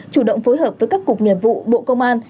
chủ động phối hợp với các cục nghiệp vụ bộ công an